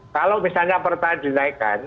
kalau misalnya pertalite dinaikkan